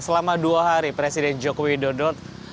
selama dua hari presiden joko widodo